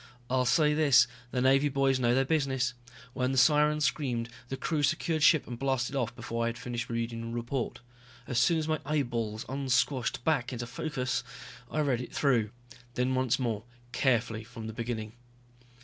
I'll say this, the Navy boys know their business. When the sirens screamed, the crew secured ship and blasted off before I had finished reading the report. As soon as my eyeballs unsquashed back into focus I read it through, then once more, carefully, from the beginning.